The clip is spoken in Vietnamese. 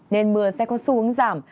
nên mưa sẽ có xu hướng giảm